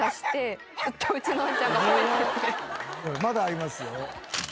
まだありますよ。